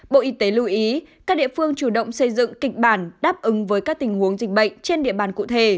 bộ y tế lưu ý các địa phương chủ động xây dựng kịch bản đáp ứng với các tình huống dịch bệnh trên địa bàn cụ thể